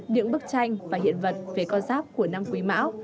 những bức tranh và hiện vật về con giáp của năm quý mão